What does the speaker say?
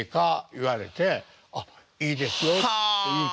言われて「いいですよ」って言うて。